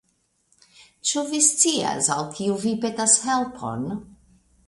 Ĉu vi scias, al kiu vi petas helpon?